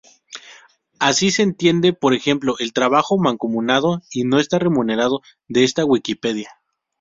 Así se entiende, por ejemplo, el trabajo mancomunado y no remunerado de esta "Wikipedia".